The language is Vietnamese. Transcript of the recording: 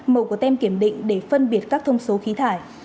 màu của tem kiểm định để phân biệt các thông số khí thải